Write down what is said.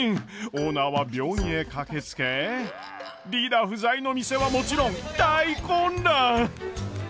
オーナーは病院へ駆けつけリーダー不在の店はもちろん大混乱！